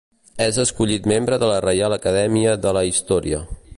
És escollit membre de la Reial Acadèmia de la Història.